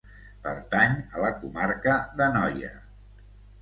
Pertany a la comarca de Noia.